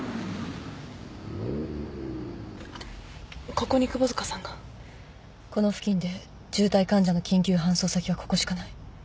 ここに窪塚さんが？この付近で重体患者の緊急搬送先はここしかない。